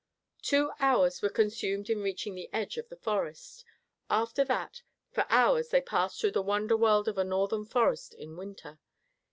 Two hours were consumed in reaching the edge of the forest. After that, for hours they passed through the wonder world of a northern forest in winter.